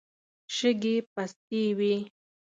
شګې پستې وې.